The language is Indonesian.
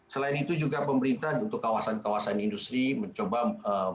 selain itu juga pemerintah untuk kawasan kawasan industri mencoba